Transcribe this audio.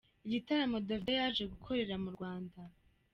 Igitaramo Davido yaje gukorera mu Rwanda .